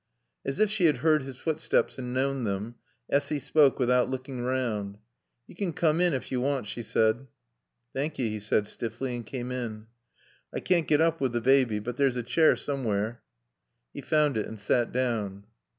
As if she had heard his footsteps and known them, Essy spoke without looking round. "Yo' can coom in ef yo' want," she said. "Thank yo'," he said stiffly and came in. "I caan't get oop wi' t' baaby. But there's a chair soomwhere." He found it and sat down.